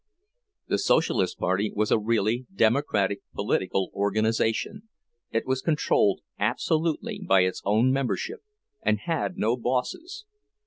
The Socialist party was a really democratic political organization—it was controlled absolutely by its own membership, and had no bosses.